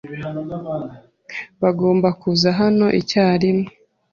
Bagomba kuza hano icyarimwe.